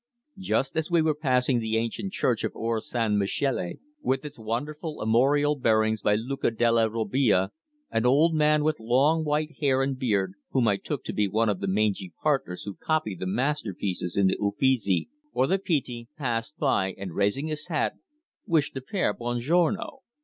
Just as we were passing the ancient church of Or San Michele, with its wonderful armorial bearings by Luca della Robbia, an old man with long white hair and beard, whom I took to be one of the mangy painters who copy the masterpieces in the Uffizi or the Pitti, passed by, and raising his hat, wished the pair: _"Buon giorno!"